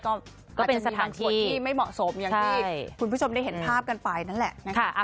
ก็อาจจะมีบางส่วนที่ไม่เหมาะสมอย่างที่คุณผู้ชมได้เห็นภาพกันไปนั่นแหละ